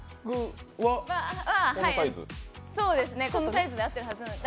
コノサイズで合ってるはずなんです。